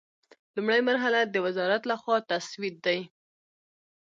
لومړۍ مرحله د وزارت له خوا تسوید دی.